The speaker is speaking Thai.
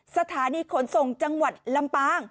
สถานีขนส่งจังหวัดลำปาง